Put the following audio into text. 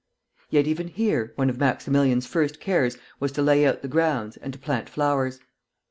Yet even here, one of Maximilian's first cares was to layout the grounds and to plant flowers.